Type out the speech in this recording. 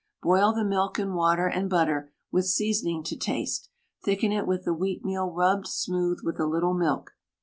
Boil the milk and water and butter, with seasoning to taste; thicken it with the wheatmeal rubbed smooth with a little milk.